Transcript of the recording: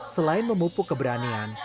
selain memupuk keberanian